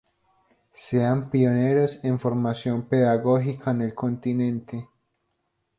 Serían pioneros en formación pedagógica en el continente.